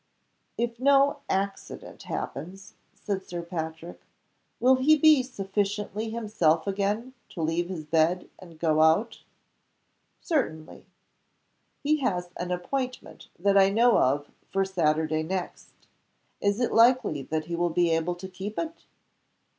"If no accident happens," said Sir Patrick, "will he be sufficiently himself again to leave his bed and go out?" "Certainly." "He has an appointment that I know of for Saturday next. Is it likely that he will be able to keep it?"